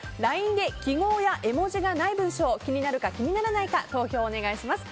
ＬＩＮＥで記号や絵文字がない文章気になるか気にならないか投票をお願いします。